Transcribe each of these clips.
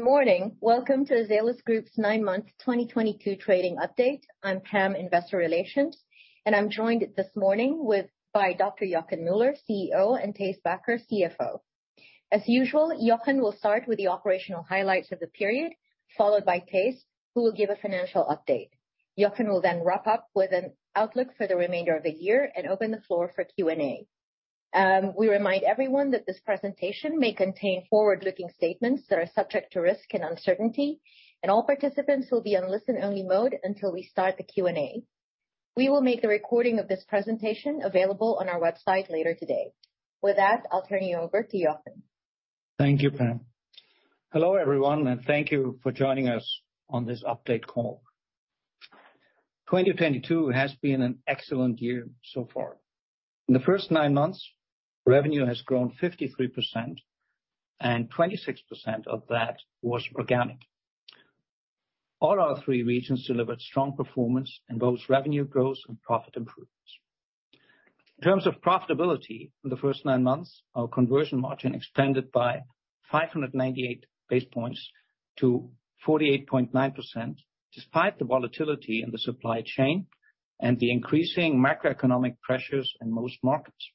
Good morning. Welcome to Azelis Group's nine-month 2022 trading update. I'm Pam, Investor Relations, and I'm joined this morning by Dr. Hans-Joachim Müller, CEO, and Thijs Bakker, CFO. As usual, Joachim will start with the operational highlights of the period, followed by Thijs, who will give a financial update. Joachim will then wrap up with an outlook for the remainder of the year and open the floor for Q&A. We remind everyone that this presentation may contain forward-looking statements that are subject to risk and uncertainty, and all participants will be on listen-only mode until we start the Q&A. We will make the recording of this presentation available on our website later today. With that, I'll turn you over to Joachim. Thank you, Pam. Hello, everyone, and thank you for joining us on this update call. 2022 has been an excellent year so far. In the first nine months, revenue has grown 53% and 26% of that was organic. All our three regions delivered strong performance in both revenue growth and profit improvements. In terms of profitability, in the first nine months, our conversion margin expanded by 598 basis points to 48.9% despite the volatility in the supply chain and the increasing macroeconomic pressures in most markets.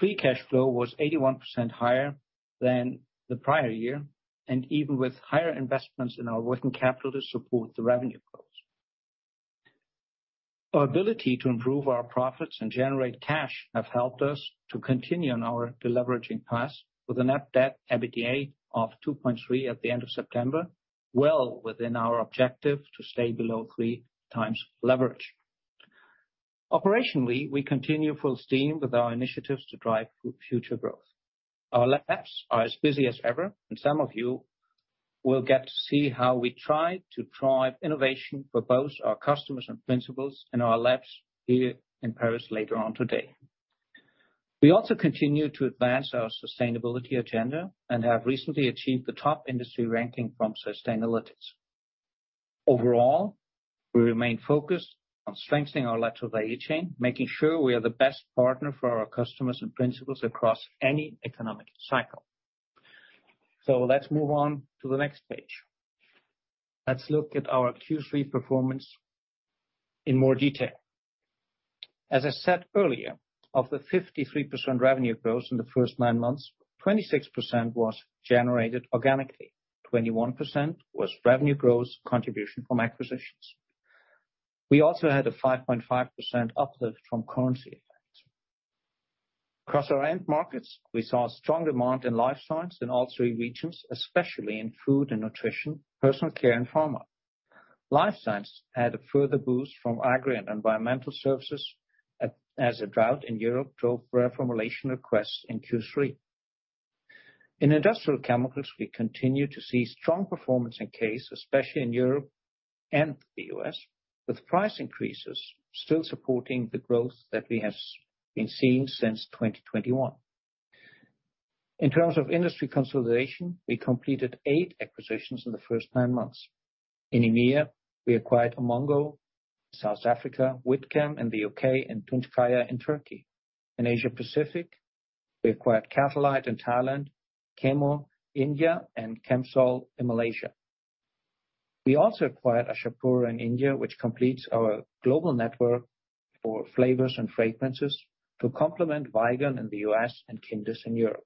Free cash flow was 81% higher than the prior year, and even with higher investments in our working capital to support the revenue growth. Our ability to improve our profits and generate cash have helped us to continue on our deleveraging path with a net debt/EBITDA of 2.3 at the end of September, well within our objective to stay below three times leverage. Operationally, we continue full steam with our initiatives to drive future growth. Our labs are as busy as ever, and some of you will get to see how we try to drive innovation for both our customers and principals in our labs here in Paris later on today. We also continue to advance our sustainability agenda and have recently achieved the top industry ranking from Sustainalytics. Overall, we remain focused on strengthening our lateral value chain, making sure we are the best partner for our customers and principals across any economic cycle. Let's move on to the next page. Let's look at our Q3 performance in more detail. As I said earlier, of the 53% revenue growth in the first nine months, 26% was generated organically. 21% was revenue growth contribution from acquisitions. We also had a 5.5 uplift from currency effect. Across our end markets, we saw strong demand in Life Sciences in all three regions, especially in Food & Nutrition, Personal Care, and Pharma. Life Sciences had a further boost from Agri & Environmental Services as a drought in Europe drove reformulation requests in Q3. In Industrial Chemicals, we continue to see strong performance in CASE, especially in Europe and the U.S., with price increases still supporting the growth that we have been seeing since 2021. In terms of industry consolidation, we completed eight acquisitions in the first nine months. In EMEA, we acquired Umongo, South Africa, WhitChem in the U.K., and Tunçkaya in Turkey. In Asia-Pacific, we acquired Catalite in Thailand, Chemo India, and ChemSol in Malaysia. We also acquired Ashapura in India, which completes our global network for flavors and fragrances to complement Vigon in the U.S. and Quimdis in Europe.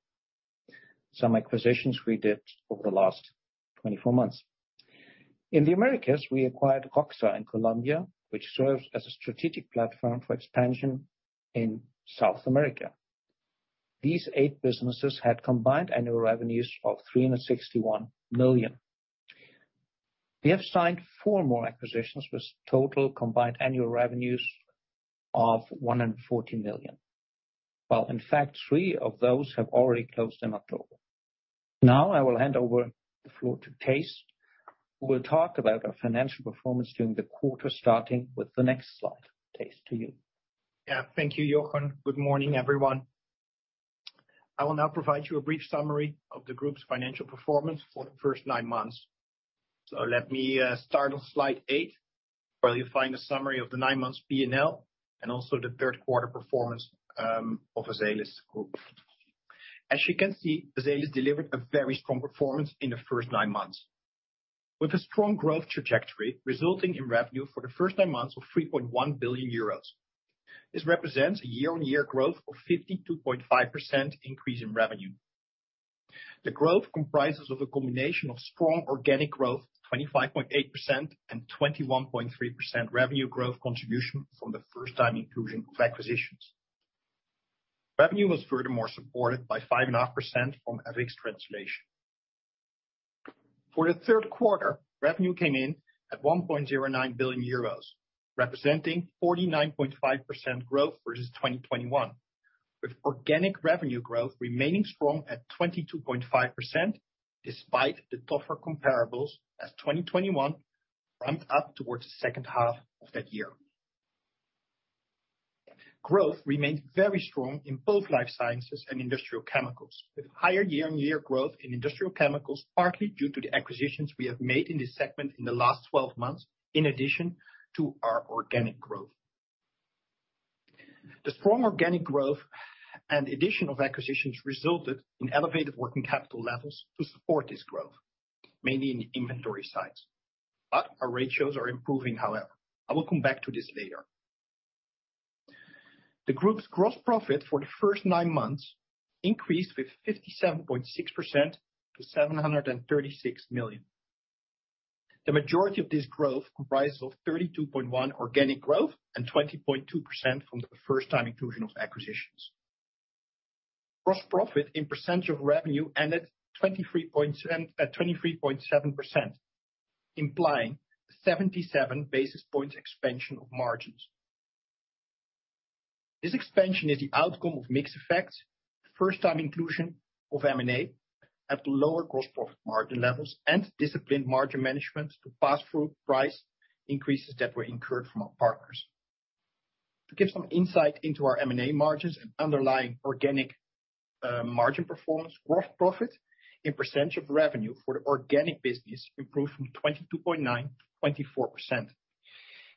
Some acquisitions we did over the last 24 months. In the Americas, we acquired ROCSA in Colombia, which serves as a strategic platform for expansion in South America. These eight businesses had combined annual revenues of 361 million. We have signed four more acquisitions with total combined annual revenues of 140 million. Well, in fact, three of those have already closed in October. Now I will hand over the floor to Thijs, who will talk about our financial performance during the quarter starting with the next slide. Thijs, to you. Yeah. Thank you, Joachim. Good morning, everyone. I will now provide you a brief summary of the group's financial performance for the first nine months. Let me start on Slide 8, where you'll find a summary of the nine months P&L and also the third quarter performance of Azelis Group. As you can see, Azelis delivered a very strong performance in the first nine months with a strong growth trajectory resulting in revenue for the first nine months of 3.1 billion euros. This represents a year-on-year growth of 52.5% increase in revenue. The growth comprises of a combination of strong organic growth, 25.8% and 21.3% revenue growth contribution from the first time inclusion of acquisitions. Revenue was furthermore supported by 5.5% from FX translation. For the third quarter, revenue came in at 1.09 billion euros, representing 49.5% growth versus 2021, with organic revenue growth remaining strong at 22.5% despite the tougher comparables as 2021 ramped up towards the second half of that year. Growth remained very strong in both Life Sciences and Industrial Chemicals, with higher year-on-year growth in Industrial Chemicals, partly due to the acquisitions we have made in this segment in the last 12 months, in addition to our organic growth. The strong organic growth and addition of acquisitions resulted in elevated working capital levels to support this growth, mainly in the inventory sides. Our ratios are improving, however. I will come back to this later. The group's gross profit for the first nine months increased with 57.6% to 736 million. The majority of this growth comprised of 32.1% organic growth and 20.2% from the first-time inclusion of acquisitions. Gross profit in percentage of revenue ended at 23.7%, implying 77 basis points expansion of margins. This expansion is the outcome of mix effects, first-time inclusion of M&A at the lower gross profit margin levels, and disciplined margin management to pass through price increases that were incurred from our partners. To give some insight into our M&A margins and underlying organic margin performance, gross profit in percentage of revenue for the organic business improved from 22.9% to 24%,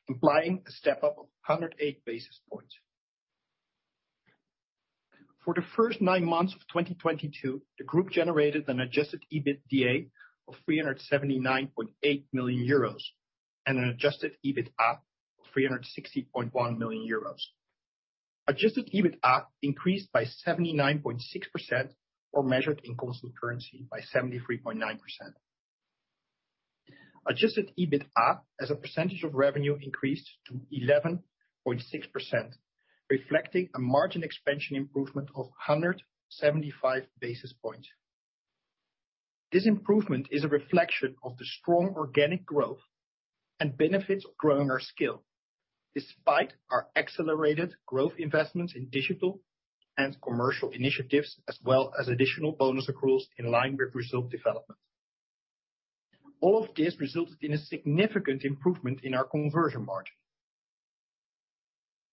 implying a step-up of 108 basis points. For the first nine months of 2022, the group generated an adjusted EBITDA of 379.8 million euros and an adjusted EBITA of 360.1 million euros. Adjusted EBITA increased by 79.6% or measured in constant currency by 73.9%. Adjusted EBITA as a percentage of revenue increased to 11.6%, reflecting a margin expansion improvement of 175 basis points. This improvement is a reflection of the strong organic growth and benefits of growing our scale, despite our accelerated growth investments in digital and commercial initiatives, as well as additional bonus accruals in line with result development. All of this resulted in a significant improvement in our conversion margin.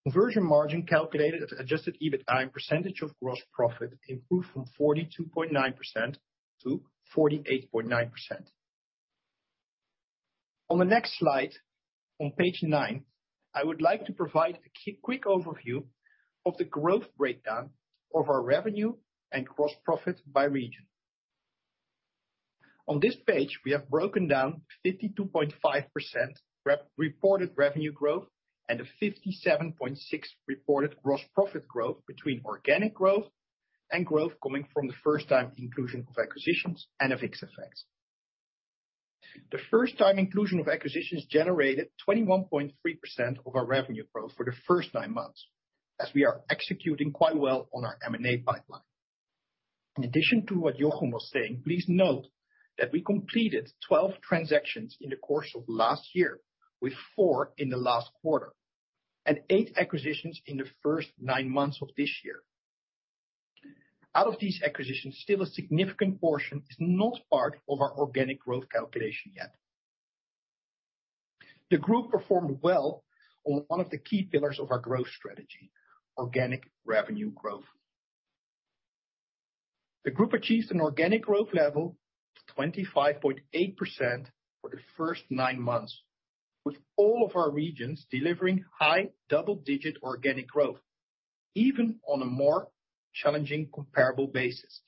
Conversion margin calculated as adjusted EBITA and percentage of gross profit improved from 42.9% to 48.9%. On the next slide, on page nine, I would like to provide a quick overview of the growth breakdown of our revenue and gross profit by region. On this page, we have broken down 52.5% reported revenue growth and a 57.6% reported gross profit growth between organic growth and growth coming from the first-time inclusion of acquisitions and FX effects. The first-time inclusion of acquisitions generated 21.3% of our revenue growth for the first nine months, as we are executing quite well on our M&A pipeline. In addition to what Joachim was saying, please note that we completed 12 transactions in the course of last year, with 4 in the last quarter and eight acquisitions in the first nine months of this year. Out of these acquisitions, still a significant portion is not part of our organic growth calculation yet. The group performed well on one of the key pillars of our growth strategy: organic revenue growth. The group achieved an organic growth level of 25.8% for the first nine months, with all of our regions delivering high double-digit organic growth, even on a more challenging comparable basis.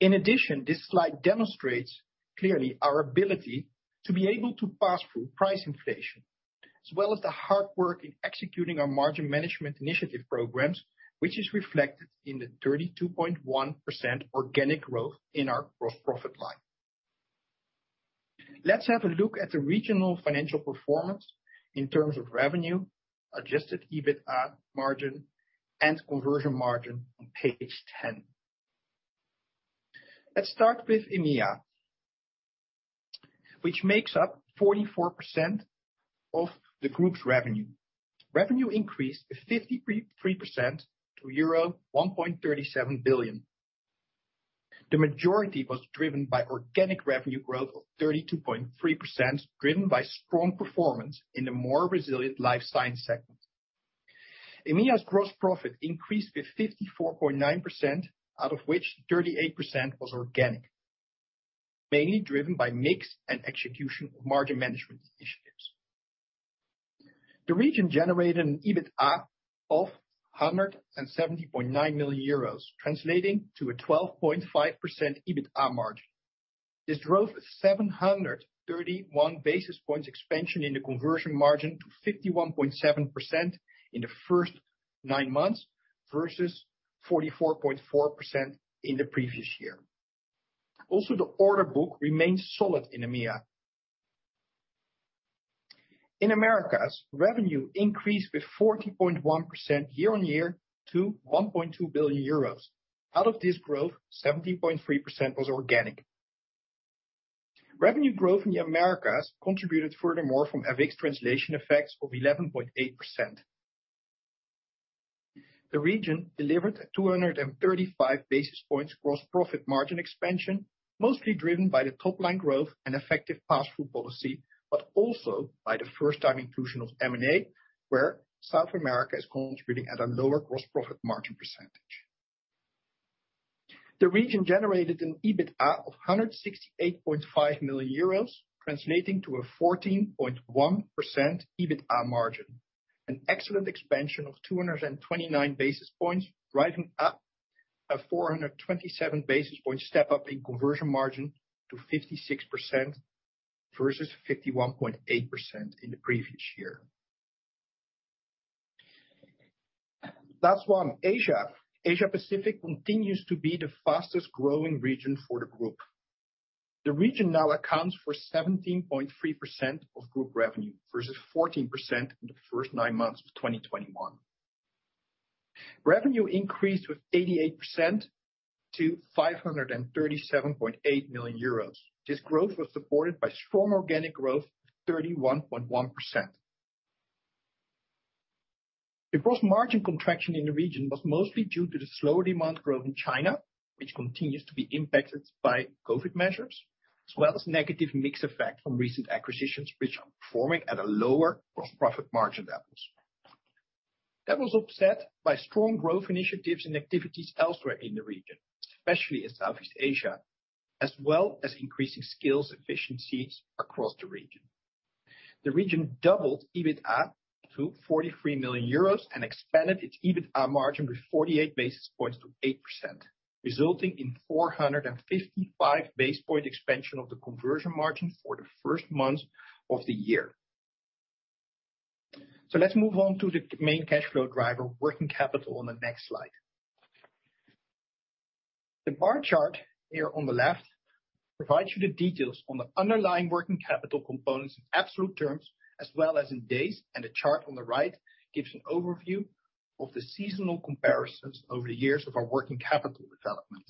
In addition, this slide demonstrates clearly our ability to be able to pass through price inflation, as well as the hard work in executing our margin management initiative programs, which is reflected in the 32.1% organic growth in our gross profit line. Let's have a look at the regional financial performance in terms of revenue, adjusted EBITA margin, and conversion margin on Page 10. Let's start with EMEA, which makes up 44% of the group's revenue. Revenue increased 53.3% to euro 1.37 billion. The majority was driven by organic revenue growth of 32.3%, driven by strong performance in the more resilient Life Sciences segment. EMEA's gross profit increased with 54.9%, out of which 38% was organic, mainly driven by mix and execution of margin management initiatives. The region generated an EBITA of 170.9 million euros, translating to a 12.5% EBITA margin. This drove a 731 basis points expansion in the conversion margin to 51.7% in the first nine months versus 44.4% in the previous year. Also, the order book remains solid in EMEA. In Americas, revenue increased with 14.1% year-on-year to 1.2 billion euros. Out of this growth, 17.3% was organic. Revenue growth in the Americas contributed furthermore from FX translation effects of 11.8%. The region delivered 235 basis points gross profit margin expansion, mostly driven by the top-line growth and effective pass-through policy, but also by the first-time inclusion of M&A, where South America is contributing at a lower gross profit margin percentage. The region generated an EBITDA of 168.5 million euros, translating to a 14.1% EBITDA margin. An excellent expansion of 229 basis points, driving up a 427 basis point step-up in conversion margin to 56% versus 51.8% in the previous year. Last one, Asia. Asia Pacific continues to be the fastest growing region for the group. The region now accounts for 17.3% of group revenue versus 14% in the first nine months of 2021. Revenue increased with 88% to 537.8 million euros. This growth was supported by strong organic growth of 31.1%. The gross margin contraction in the region was mostly due to the slower demand growth in China, which continues to be impacted by COVID measures, as well as negative mix effect from recent acquisitions which are performing at a lower gross profit margin levels. That was offset by strong growth initiatives and activities elsewhere in the region, especially in Southeast Asia, as well as increasing scales efficiencies across the region. The region doubled EBITDA to 43 million euros and expanded its EBITDA margin by 48 basis points to 8%, resulting in 455 basis point expansion of the conversion margin for the first months of the year. Let's move on to the main cash flow driver, working capital, on the next slide. The bar chart here on the left provides you the details on the underlying working capital components in absolute terms, as well as in days. The chart on the right gives an overview of the seasonal comparisons over the years of our working capital development.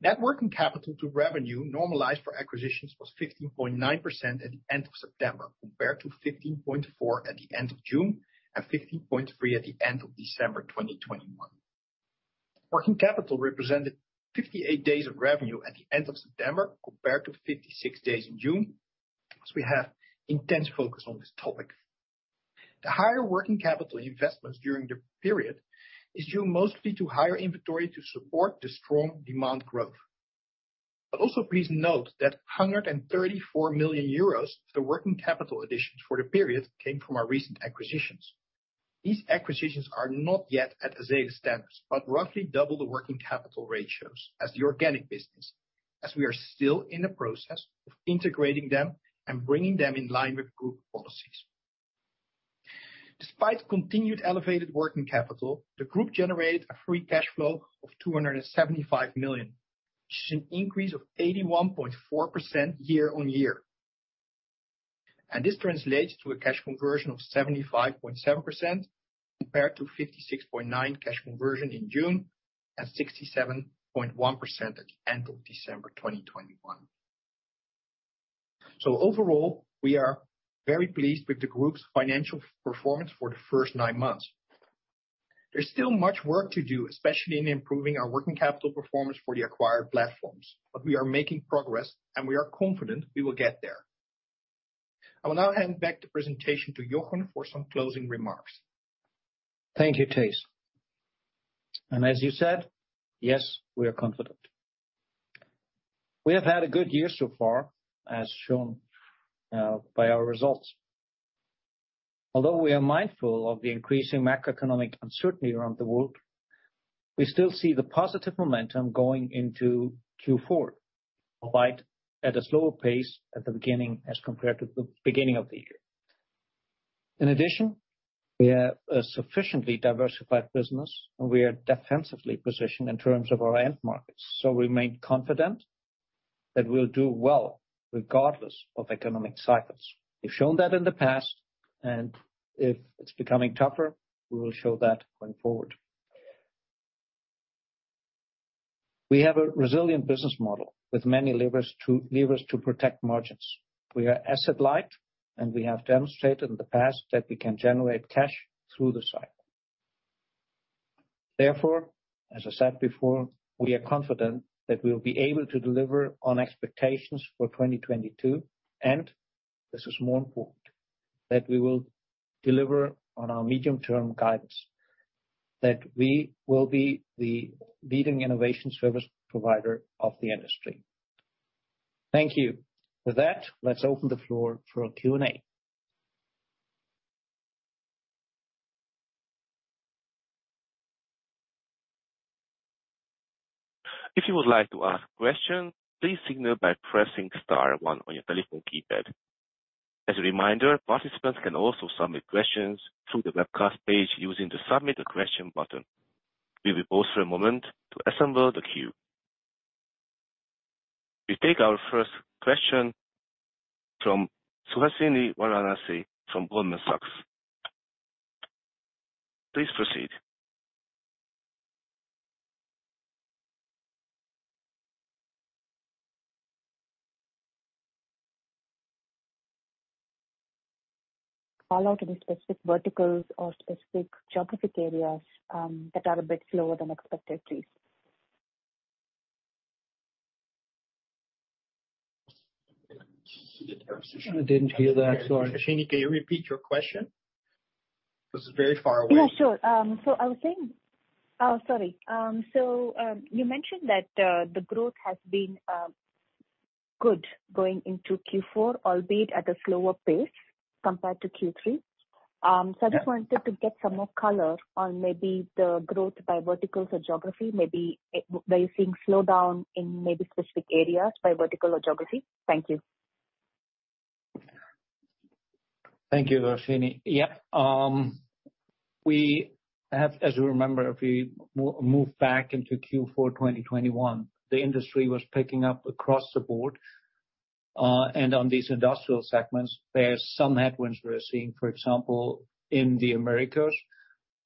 Net working capital to revenue normalized for acquisitions was 15.9% at the end of September, compared to 15.4% at the end of June and 15.3% at the end of December 2021. Working capital represented 58 days of revenue at the end of September compared to 56 days in June, as we have intense focus on this topic. The higher working capital investments during the period is due mostly to higher inventory to support the strong demand growth. Also please note that 134 million euros of the working capital additions for the period came from our recent acquisitions. These acquisitions are not yet at Azelis standards, but roughly double the working capital ratios as the organic business, as we are still in the process of integrating them and bringing them in line with group policies. Despite continued elevated working capital, the group generated a free cash flow of 275 million, which is an increase of 81.4% year-on-year. This translates to a cash conversion of 75.7% compared to 56.9% cash conversion in June and 67.1% at the end of December 2021. Overall, we are very pleased with the group's financial performance for the first nine months. There's still much work to do, especially in improving our working capital performance for the acquired platforms, but we are making progress, and we are confident we will get there. I will now hand back the presentation to Joachim for some closing remarks. Thank you, Thijs. As you said, yes, we are confident. We have had a good year so far, as shown by our results. Although we are mindful of the increasing macroeconomic uncertainty around the world, we still see the positive momentum going into Q4, albeit at a slower pace at the beginning as compared to the beginning of the year. In addition, we have a sufficiently diversified business, and we are defensively positioned in terms of our end markets, so remain confident that we'll do well regardless of economic cycles. We've shown that in the past, and if it's becoming tougher, we will show that going forward. We have a resilient business model with many levers to protect margins. We are asset light, and we have demonstrated in the past that we can generate cash through the cycle. Therefore, as I said before, we are confident that we will be able to deliver on expectations for 2022, and this is more important, that we will deliver on our medium-term guidance, that we will be the leading innovation service provider of the industry. Thank you. With that, let's open the floor for Q&A. If you would like to ask questions, please signal by pressing star one on your telephone keypad. As a reminder, participants can also submit questions through the webcast page using the Submit a Question button. We will pause for a moment to assemble the queue. We take our first question from Suhasini Varanasi from Goldman Sachs. Please proceed. Call out any specific verticals or specific geographic areas that are a bit slower than expected, please? I didn't hear that, sorry. Suhasini, can you repeat your question? This is very far away. Yeah, sure. You mentioned that the growth has been good going into Q4, albeit at a slower pace compared to Q3. I just wanted to get some more color on maybe the growth by verticals or geography. Maybe, were you seeing slowdown in maybe specific areas by vertical or geography? Thank you. Thank you, Varanasi. Yeah. As you remember, if we move back into Q4 2021, the industry was picking up across the board. On these industrial segments, there are some headwinds we're seeing, for example, in the Americas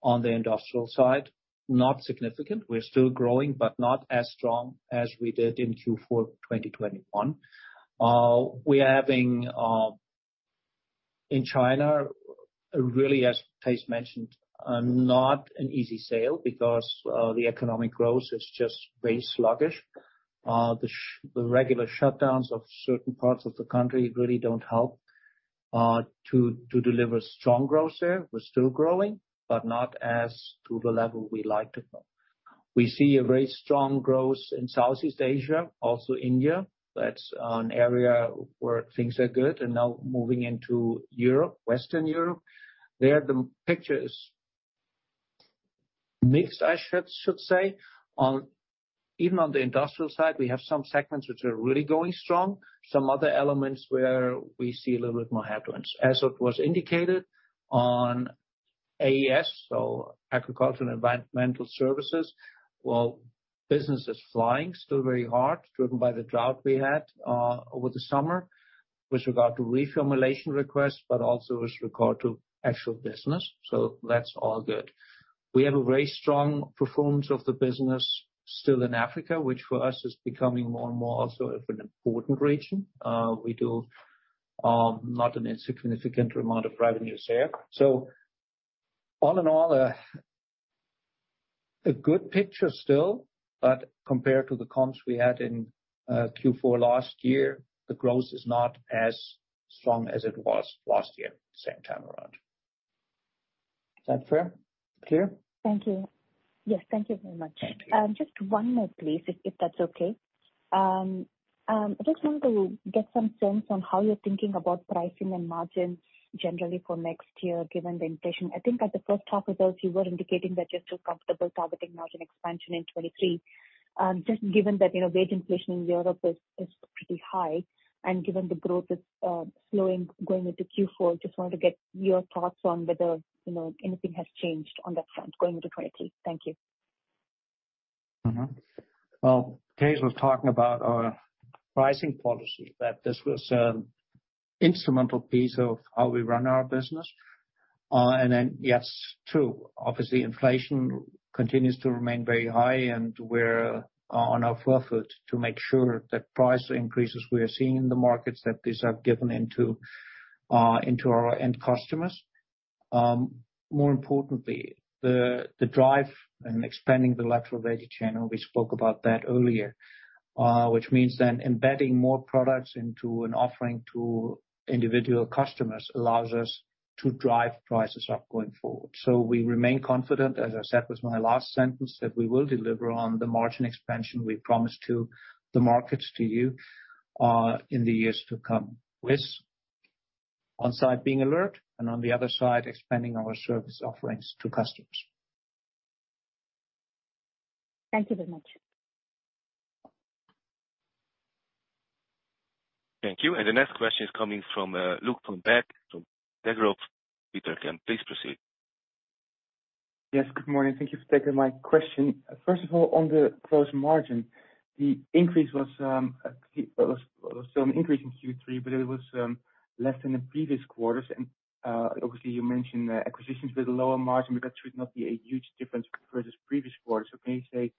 on the industrial side, not significant. We're still growing, but not as strong as we did in Q4 2021. We are having in China, really, as Thijs mentioned, not an easy sale because the economic growth is just very sluggish. The regular shutdowns of certain parts of the country really don't help to deliver strong growth there. We're still growing, but not to the level we like to grow. We see a very strong growth in Southeast Asia, also India. That's an area where things are good. Now moving into Europe, Western Europe, there the picture is mixed, I should say. On even the industrial side, we have some segments which are really going strong, some other elements where we see a little bit more headwinds. As it was indicated on AES, so Agriculture and Environmental Services, well, business is flying still very hard, driven by the drought we had over the summer with regard to reformulation requests, but also with regard to actual business. So that's all good. We have a very strong performance of the business still in Africa, which for us is becoming more and more also of an important region. We do not an insignificant amount of revenues there. All in all, a good picture still, but compared to the comps we had in Q four last year, the growth is not as strong as it was last year, same time around. Is that fair? Clear? Thank you. Yes. Thank you very much. Thank you. Just one more, please, if that's okay. I just want to get some sense on how you're thinking about pricing and margins generally for next year, given the inflation. I think at the first half results, you were indicating that you're still comfortable targeting margin expansion in 2023. Just given that, you know, wage inflation in Europe is pretty high, and given the growth is slowing going into Q4, just wanted to get your thoughts on whether, you know, anything has changed on that front going into 2023. Thank you. Well, Thijs was talking about our pricing policy, that this was an instrumental piece of how we run our business. Yes, true. Obviously, inflation continues to remain very high, and we're at the forefront to make sure that price increases we are seeing in the markets that these are passed on to our end customers. More importantly, the drive to expand the lateral value chain, we spoke about that earlier, which means embedding more products into an offering to individual customers allows us to drive prices up going forward. We remain confident, as I said in my last sentence, that we will deliver on the margin expansion we promised to the markets, to you, in the years to come. With one side being alert, and on the other side, expanding our service offerings to customers. Thank you very much. Thank you. The next question is coming from Luuk Van Beek from Bank Degroof Petercam. Please proceed. Yes. Good morning. Thank you for taking my question. First of all, on the gross margin, the increase was some increase in Q3, but it was less than the previous quarters. Obviously, you mentioned acquisitions with a lower margin, but that should not be a huge difference versus previous quarters. Can you say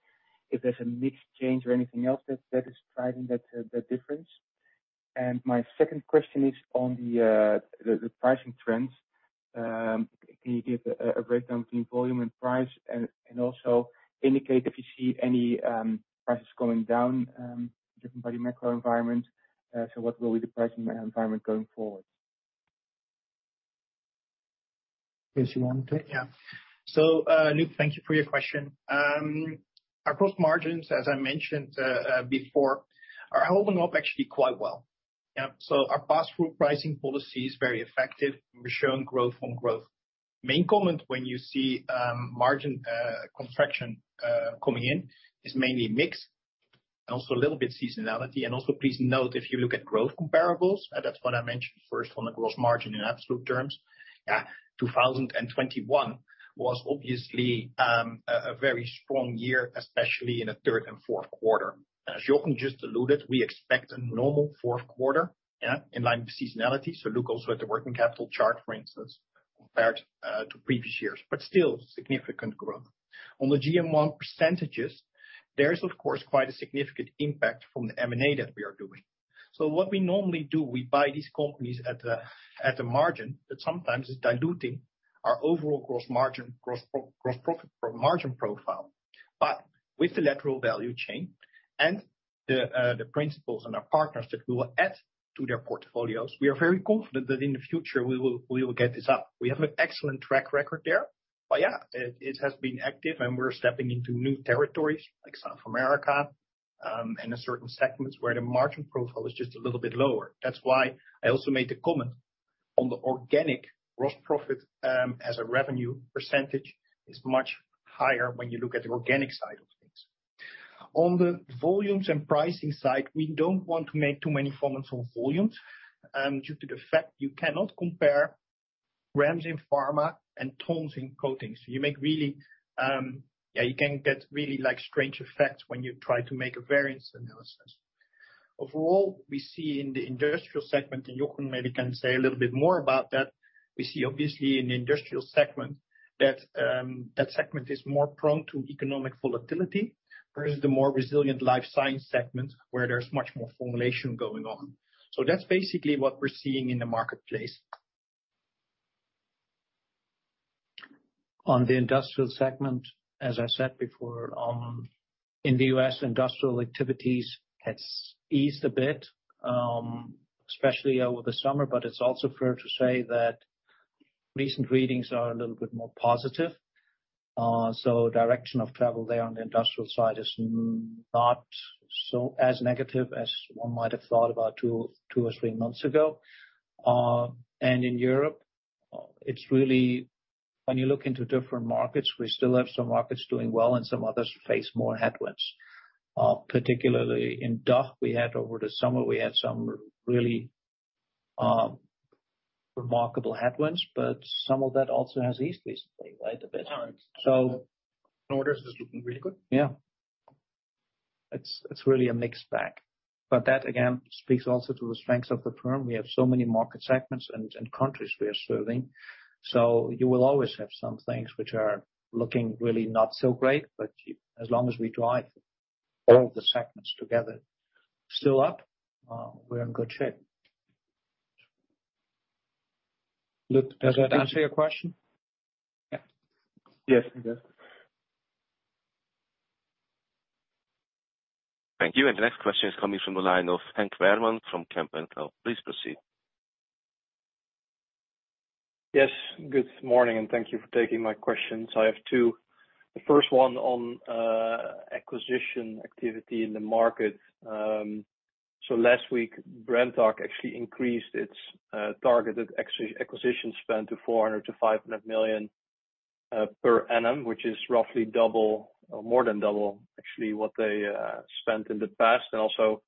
if there's a mix change or anything else that is driving that difference? My second question is on the pricing trends. Can you give a breakdown between volume and price and also indicate if you see any prices going down driven by the macro environment? What will be the pricing environment going forward? Thijs, you want to take it? Yeah. Luuk, thank you for your question. Our gross margins, as I mentioned before, are holding up actually quite well. Yeah. Our pass-through pricing policy is very effective. We're showing growth on growth. Main comment when you see margin contraction coming in is mainly mix and also a little bit seasonality. Also please note, if you look at growth comparables, that's what I mentioned first on the gross margin in absolute terms. Yeah. 2021 was obviously a very strong year, especially in the third and fourth quarter. As Joachim just alluded, we expect a normal fourth quarter, yeah, in line with seasonality. Look also at the working capital chart, for instance, compared to previous years, but still significant growth. On the GM1 percentages, there is of course quite a significant impact from the M&A that we are doing. What we normally do, we buy these companies at the margin, but sometimes it's diluting our overall gross margin, gross profit margin profile. With the lateral value chain and the principals and our partners that we will add to their portfolios, we are very confident that in the future, we will get this up. We have an excellent track record there. Yeah, it has been active, and we're stepping into new territories, like South America, and in certain segments where the margin profile is just a little bit lower. That's why I also made the comment on the organic gross profit, as a revenue percentage is much higher when you look at the organic side of things. On the volumes and pricing side, we don't want to make too many comments on volumes, due to the fact you cannot compare grams in pharma and tons in coatings. You can get really, like, strange effects when you try to make a variance analysis. Overall, we see in the Industrial segment, and Joachim maybe can say a little bit more about that. We see obviously in the Industrial segment that segment is more prone to economic volatility versus the more resilient Life Sciences segment, where there's much more formulation going on. That's basically what we're seeing in the marketplace. On the industrial segment, as I said before, in the U.S., industrial activities has eased a bit, especially over the summer. It's also fair to say that recent readings are a little bit more positive. Direction of travel there on the industrial side is not so as negative as one might have thought about two or three months ago. In Europe, it's really when you look into different markets, we still have some markets doing well and some others face more headwinds. Particularly in DACH, we had over the summer some really remarkable headwinds, but some of that also has eased recently quite a bit. Orders is looking really good. Yeah. It's really a mixed bag. That, again, speaks also to the strengths of the firm. We have so many market segments and countries we are serving. You will always have some things which are looking really not so great, but as long as we drive all the segments together still up, we're in good shape. Luuk, does that answer your question? Yes, it does. Thank you. The next question is coming from the line of Henk Veerman from Kempen & Co. Please proceed. Yes. Good morning, and thank you for taking my questions. I have two. The first one on acquisition activity in the market. So last week, Brenntag actually increased its targeted acquisition spend to 400 million-500 million per annum, which is roughly double, or more than double actually what they spent in the past and also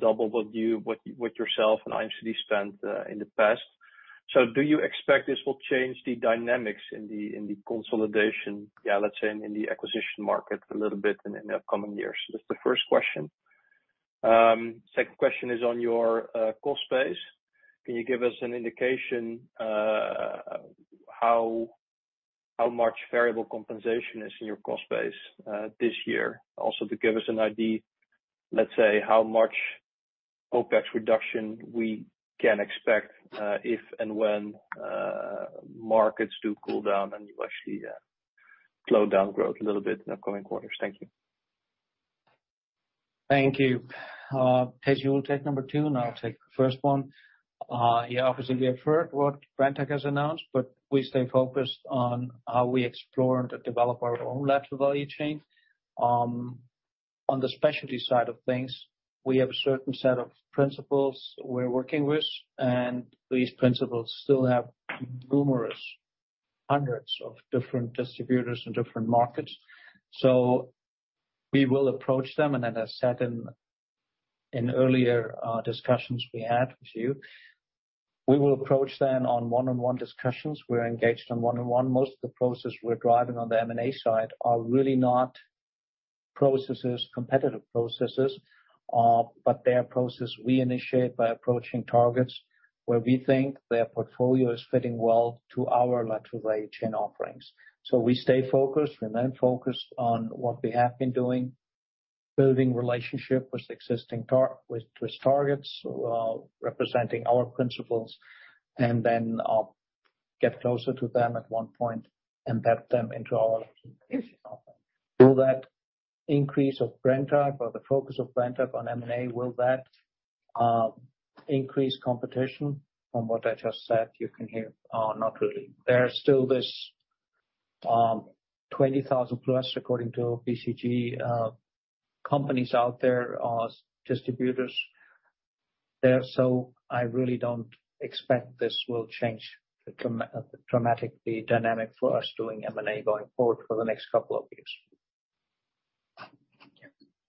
double what you what yourself and IMCD spent in the past. Do you expect this will change the dynamics in the consolidation, yeah, let's say in the acquisition market a little bit in the upcoming years? That's the first question. Second question is on your cost base. Can you give us an indication how much variable compensation is in your cost base this year? Also, to give us an idea, let's say how much OpEx reduction we can expect, if and when, markets do cool down and you actually, slow down growth a little bit in the upcoming quarters. Thank you. Thank you. Thijs, you will take number two, and I'll take the first one. Yeah, obviously, we have heard what Brenntag has announced, but we stay focused on how we explore and develop our own lateral value chain. On the specialty side of things, we have a certain set of principals we're working with, and these principals still have numerous hundreds of different distributors in different markets. We will approach them, and as I said in earlier discussions we had with you, we will approach them on one-on-one discussions. We're engaged on one-on-one. Most of the process we're driving on the M&A side are really not processes, competitive processes, but they are processes we initiate by approaching targets where we think their portfolio is fitting well to our lateral value chain offerings. We stay focused. Remain focused on what we have been doing, building relationship with existing targets, representing our principals, and then get closer to them at one point and vet them into our. Will that increase of Brenntag or the focus of Brenntag on M&A increase competition? From what I just said, you can hear, not really. There are still these 20,000 plus, according to BCG, companies out there as distributors. Therefore I really don't expect this will change the dramatic dynamics for us doing M&A going forward for the next couple of years.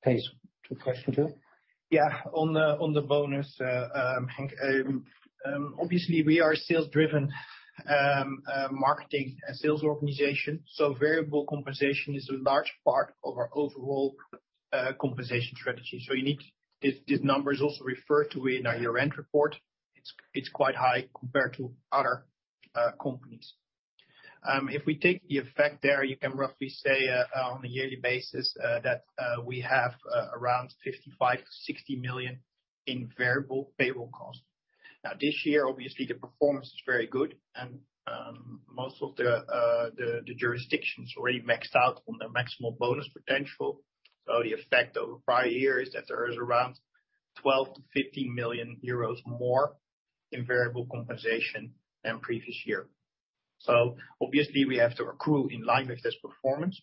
Thijs, two questions here. Yeah. On the bonus, Henk, obviously, we are sales driven, marketing and sales organization. Variable compensation is a large part of our overall compensation strategy. This number is also referred to in our year-end report. It's quite high compared to other companies. If we take the effect there, you can roughly say, on a yearly basis, that we have around 55 million-60 million in variable payroll costs. Now, this year, obviously, the performance is very good and most of the jurisdictions already maxed out on their maximal bonus potential. The effect over prior years that there is around 12 million-15 million euros more in variable compensation than previous year. Obviously we have to accrue in line with this performance.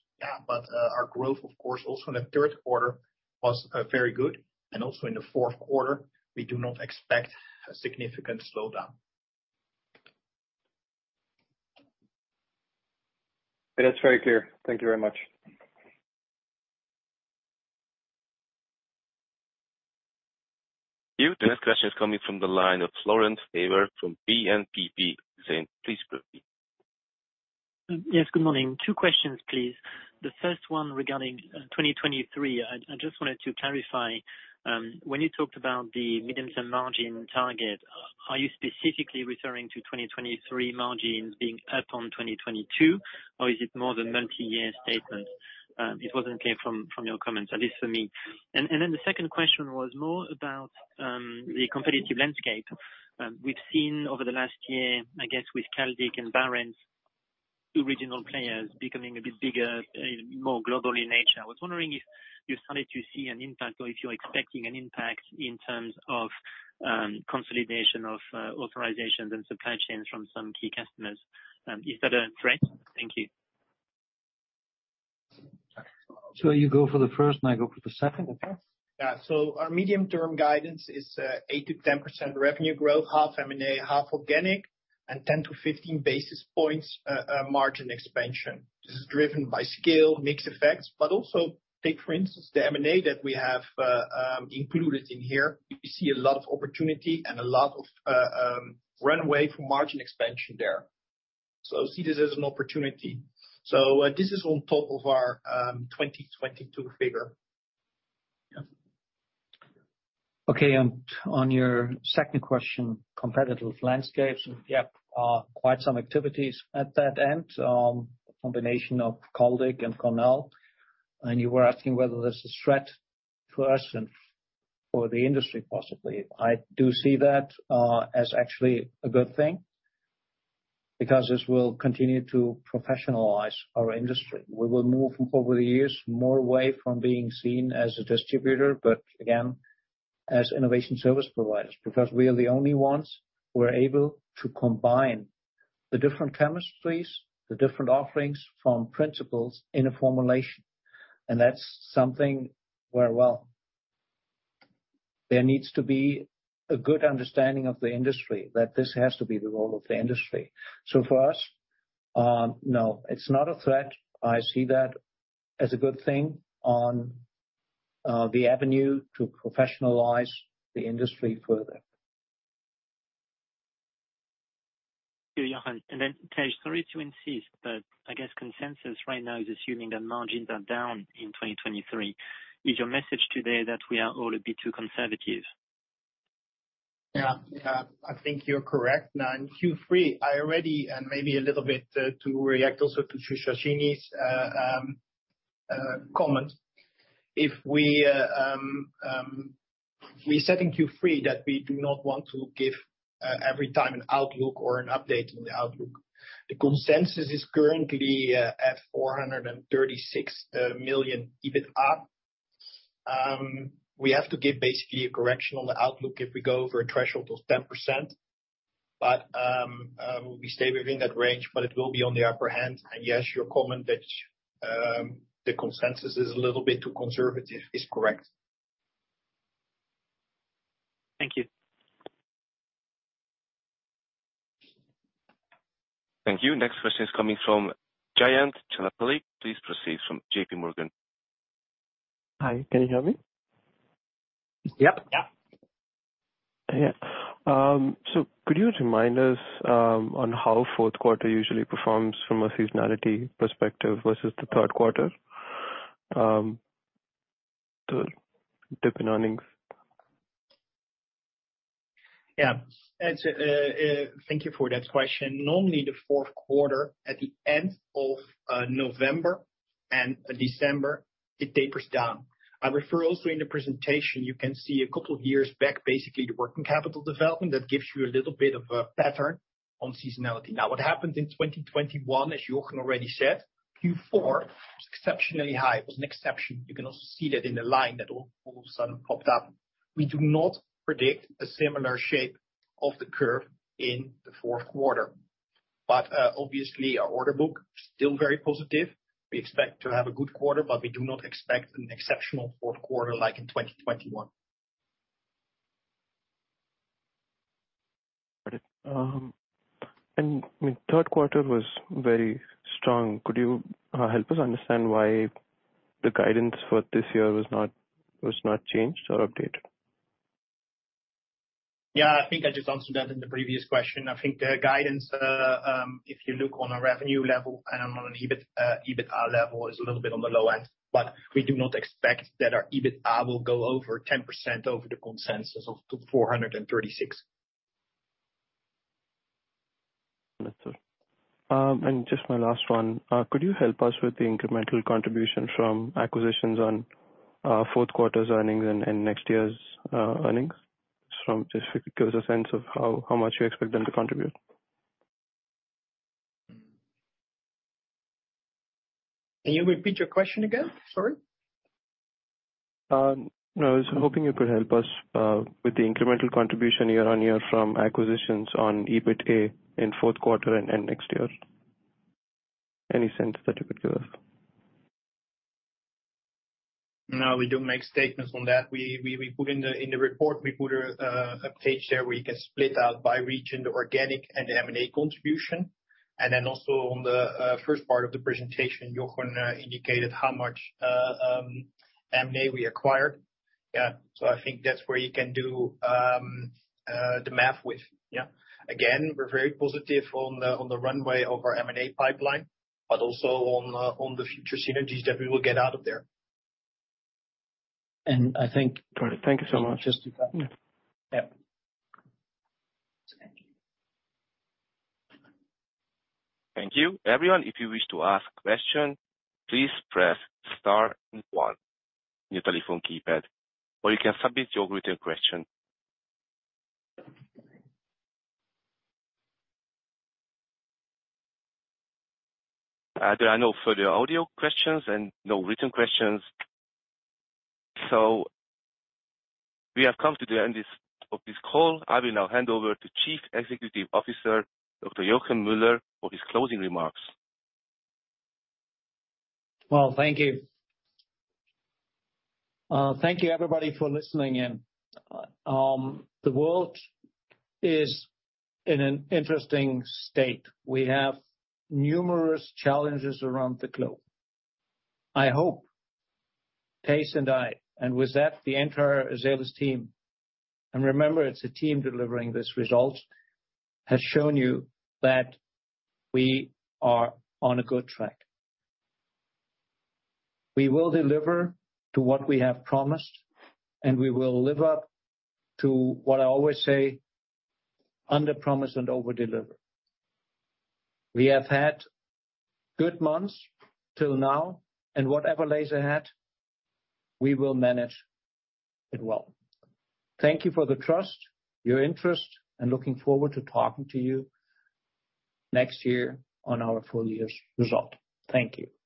Our growth, of course, also in the third quarter was very good. Also in the fourth quarter, we do not expect a significant slowdown. That's very clear. Thank you very much. Thank you. The next question is coming from the line of Florence Farges from BNPP. Please proceed. Yes, good morning. Two questions, please. The first one regarding 2023. I just wanted to clarify, when you talked about the medium-term margin target, are you specifically referring to 2023 margins being up on 2022? Or is it more of a multi-year statement? It wasn't clear from your comments, at least for me. The second question was more about the competitive landscape. We've seen over the last year, I guess, with Caldic and Barentz, two regional players becoming a bit bigger, more global in nature. I was wondering if you started to see an impact or if you're expecting an impact in terms of consolidation of authorizations and supply chains from some key customers. Is that a threat? Thank you. You go for the first and I go for the second, okay? Yeah. Our medium-term guidance is 8%-10% revenue growth, half M&A, half organic, and 10-15 basis points margin expansion. This is driven by scale, mix effects, but also take for instance, the M&A that we have included in here. We see a lot of opportunity and a lot of runway from margin expansion there. See this as an opportunity. This is on top of our 2022 figure. Okay. On your second question, competitive landscapes. Yeah, quite some activities at that end. A combination of Caldic and Connell. You were asking whether this is a threat to us and for the industry, possibly. I do see that as actually a good thing because this will continue to professionalize our industry. We will move over the years more away from being seen as a distributor, but again, as innovation service providers, because we are the only ones who are able to combine the different chemistries, the different offerings from principals in a formulation. That's something where, well, there needs to be a good understanding of the industry, that this has to be the role of the industry. For us, no, it's not a threat. I see that as a good thing on the avenue to professionalize the industry further. Thank you, Hans-Joachim Müller. Thijs Bakker, sorry to insist, but I guess consensus right now is assuming that margins are down in 2023. Is your message today that we are all a bit too conservative? Yeah. I think you're correct. Now, in Q3, I already and maybe a little bit to react also to Suhasini's comment. If we we said in Q3 that we do not want to give every time an outlook or an update on the outlook. The consensus is currently at 436 million EBITA. We have to give basically a correction on the outlook if we go over a threshold of 10%. But we stay within that range, but it will be on the upper end. Yes, your comment that the consensus is a little bit too conservative is correct. Thank you. Thank you. Next question is coming from Jayant Shernapalli. Please proceed from JPMorgan. Hi. Can you hear me? Yep. Yeah. Yeah. Could you remind us on how fourth quarter usually performs from a seasonality perspective versus the third quarter, the dip in earnings? Yeah. That's it. Thank you for that question. Normally, the fourth quarter at the end of November and December, it tapers down. I refer also in the presentation, you can see a couple of years back, basically, the working capital development that gives you a little bit of a pattern on seasonality. Now, what happened in 2021, as Hans-Joachim Müller already said, Q4 was exceptionally high. It was an exception. You can also see that in the line that all of a sudden popped up. We do not predict a similar shape of the curve in the fourth quarter. Obviously, our order book still very positive. We expect to have a good quarter, but we do not expect an exceptional fourth quarter like in 2021. Got it. Third quarter was very strong. Could you help us understand why the guidance for this year was not changed or updated? Yeah. I think I just answered that in the previous question. I think the guidance, if you look on a revenue level and on an EBIT, EBITA level is a little bit on the low end, but we do not expect that our EBITA will go over 10% over the consensus of 436. Just my last one. Could you help us with the incremental contribution from acquisitions on fourth quarter's earnings and next year's earnings? If it gives a sense of how much you expect them to contribute. Can you repeat your question again? Sorry. No. I was hoping you could help us with the incremental contribution year-on-year from acquisitions on EBITA in fourth quarter and next year. Any sense that you could give? No, we don't make statements on that. We put in the report a page there where you can split out by region, the organic and the M&A contribution. Then also on the first part of the presentation, Joachim indicated how much M&A we acquired. Yeah. I think that's where you can do the math with. Yeah. Again, we're very positive on the runway of our M&A pipeline, but also on the future synergies that we will get out of there. I think. Got it. Thank you so much. Just to confirm. Yeah. Thank you, everyone. If you wish to ask question, please press star and one on your telephone keypad, or you can submit your written question. There are no further audio questions and no written questions, so we have come to the end of this call. I will now hand over to Chief Executive Officer, Dr. Hans-Joachim Müller, for his closing remarks. Well, thank you. Thank you everybody for listening in. The world is in an interesting state. We have numerous challenges around the globe. I hope Thijs and I, and with that, the entire Azelis team, and remember, it's a team delivering this result, has shown you that we are on a good track. We will deliver to what we have promised, and we will live up to what I always say, under promise and over deliver. We have had good months till now, and whatever lies ahead, we will manage it well. Thank you for the trust, your interest, and looking forward to talking to you next year on our full year's result. Thank you.